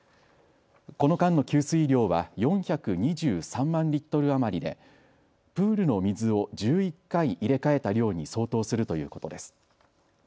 この間の給水量は４２３万リットル余りでプールの水を１１回入れ替えた量に相当するということです。